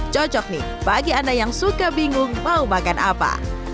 cocok nih bagi anda yang suka bingung mau makan apa